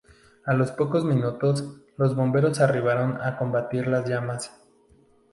A los pocos minutos, los Bomberos arribaron para combatir las llamas.